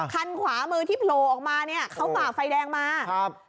คันขวามือที่โผล่ออกมาเนี่ยเขาฝ่าไฟแดงมาครับ